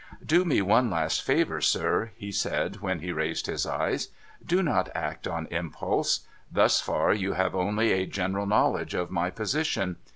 ' Do me one last favour, sir,' he said, when he raised his eyes. * Do not act on impulse. Thus far, you have only a general know ledge of my position.